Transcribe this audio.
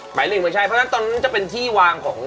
หมายเล่นหนึ่งไม่ใช่เพราะฉะนั้นตอนนั้นจะเป็นที่วางของ